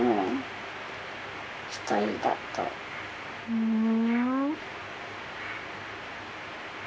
ふん。